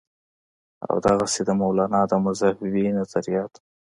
او دغسې د مولانا د مذهبي نظرياتو